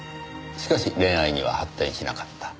しかし恋愛には発展しなかった。